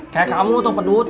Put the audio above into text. kayak kamu tuh pedut